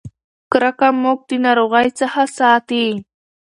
کرکه موږ د ناروغۍ څخه ساتي.